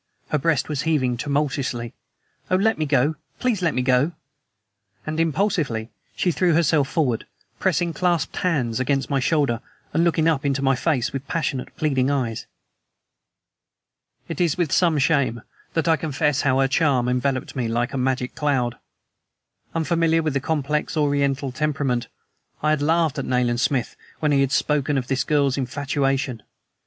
Her breast was heaving tumultuously. "Oh, let me go! Please, let me go!" And impulsively she threw herself forward, pressing clasped hands against my shoulder and looking up into my face with passionate, pleading eyes. It is with some shame that I confess how her charm enveloped me like a magic cloud. Unfamiliar with the complex Oriental temperament, I had laughed at Nayland Smith when he had spoken of this girl's infatuation.